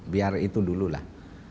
biar itu dulu lah